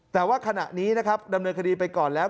แต่ว่าขณะนี้นะครับดำเนินคดีไปก่อนแล้ว